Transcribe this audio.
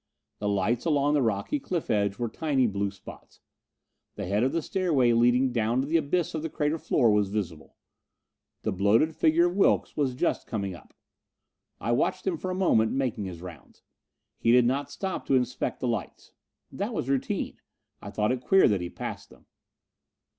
The lights along the rocky cliff edge were tiny blue spots. The head of the stairway leading down to the abyss of the crater floor was visible. The bloated figure of Wilks was just coming up. I watched him for a moment making his rounds. He did not stop to inspect the lights. That was routine; I thought it queer that he passed them.